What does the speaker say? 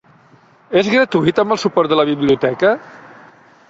És gratuït amb el suport de la biblioteca?